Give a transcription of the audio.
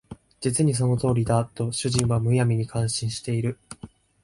実にその通りだ」と主人は無闇に感心している